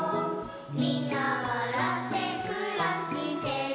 「みんなわらってくらしてる」